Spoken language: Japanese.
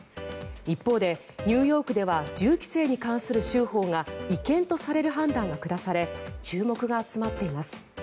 一方でニューヨークでは銃規制に関する州法が違憲とされる判断が下され注目が集まっています。